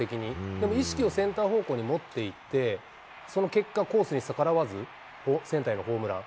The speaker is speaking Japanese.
でも意識をセンター方向に持っていって、その結果、コースに逆らわず、センターへのホームラン。